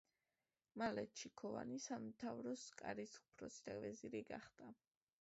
მალე ჩიქოვანი სამთავროს კარის „უფროსი და ვეზირი“ გახდა.